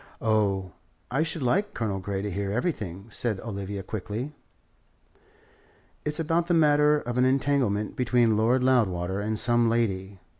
"Oh, I should like Colonel Grey to hear everything," said Olivia quickly. "It's about the matter of an entanglement between Lord Loudwater and some lady.